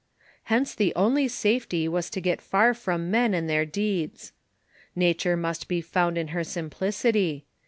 Hence the only safety was to get far from men and their deeds. Nature must be found in her sim plicity.